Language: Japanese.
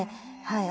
はい。